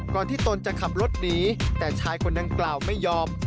ที่ตนจะขับรถหนีแต่ชายคนดังกล่าวไม่ยอม